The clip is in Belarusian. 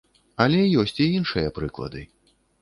Але ёсць і іншыя прыклады.